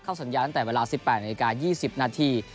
เข้าสัญญาณตั้งแต่เวลา๑๘นาฬิกา๒๐นาที